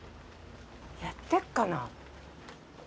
やってっかな？